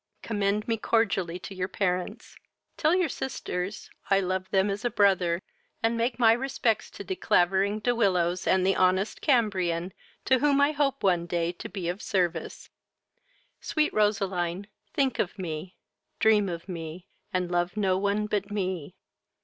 Commend be cordially to your parents. Tell your sisters I love them as a brother, and make my respects to De Clavering, De Willows, and the honest Cambrian, to whom I hope one day to be of service. Sweet Roseline, think of me, dream of me, and love no one but me.